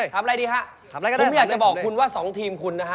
ทำอะไรดีฮะผมอยากจะบอกคุณว่า๒ทีมคุณนะฮะ